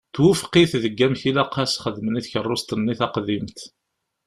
Twufeq-it deg amek ilaq ad s-xedmen i tkeṛṛust-nni taqdimt.